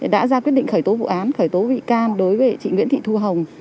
đã ra quyết định khởi tố vụ án khởi tố bị can đối với chị nguyễn thị thu hồng